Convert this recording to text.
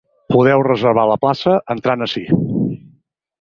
Podeu reservar la plaça entrant ací.